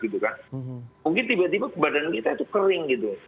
mungkin tiba tiba badan kita itu kering gitu